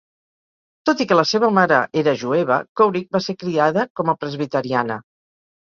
Tot i que la seva mare era jueva, Couric va ser criada com a presbiteriana.